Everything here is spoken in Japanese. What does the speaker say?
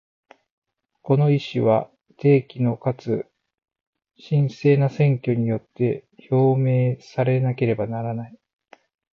この意思は、定期のかつ真正な選挙によって表明されなければならない。